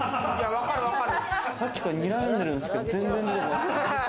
さっきから睨んでるんですけど。